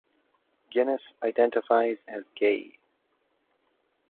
Guinness identifies as gay.